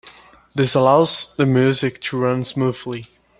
This allows the music to run smoothly.